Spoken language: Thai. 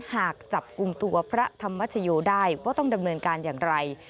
หากจับกลุ่มตัวพระธรรมชโยได้ว่าต้องดำเนินการอย่างไร